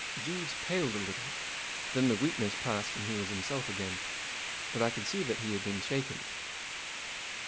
Jeeves paled a little ; then the weakness passed and he was himself again. But I could see that he had been shaken.